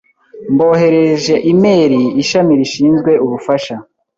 Mboherereje imeri ishami rishinzwe ubufasha.